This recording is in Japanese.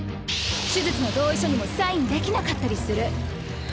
手術の同意書にもサインできなかったりする。